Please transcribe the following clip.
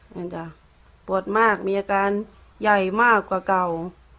นั่นจ้ะปวดมากมีอาการใหญ่มากกว่าเก่า